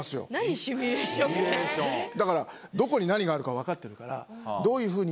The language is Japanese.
だからどこに何があるか分かってるから。